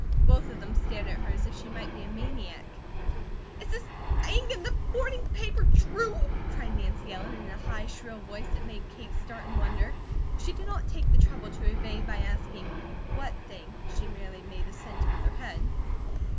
Both of them stared at her as if she might be a maniac. "Is this thing in the morning paper true?" cried Nancy Ellen in a high, shrill voice that made Kate start in wonder. She did not take the trouble to evade by asking "what thing?" she merely made assent with her head.